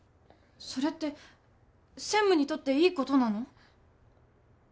それって専務にとっていいことなの？